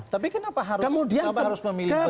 tapi kenapa harus memilih